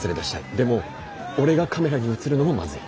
でも俺がカメラに映るのもまずい。